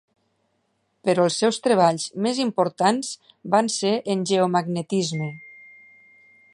Però els seus treballs més importants van ser en geomagnetisme.